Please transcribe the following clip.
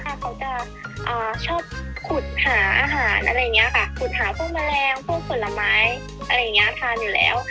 เขาจะชอบขุดหาอาหารอะไรอย่างนี้ค่ะขุดหาพวกแมลงพวกผลไม้อะไรอย่างนี้ทานอยู่แล้ว